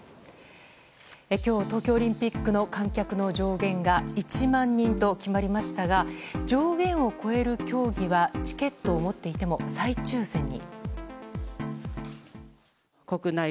今日、東京オリンピックの観客の上限が１万人と決まりましたが上限を超える競技はチケットを持っていても再抽選に。